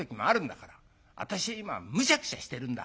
私今むしゃくしゃしてるんだ」。